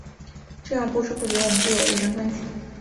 这样不知不觉我们就有了一张专辑。